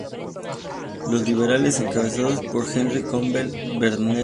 Los liberales, encabezados por Henry Campbell-Bannerman.